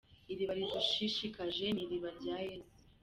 Iriba ridushishikaje ni iriba rya Yesu.